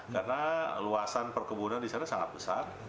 karena luasan perkebunan di sana sangat besar